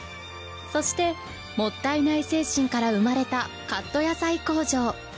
そしてもったいない精神から生まれたカット野菜工場。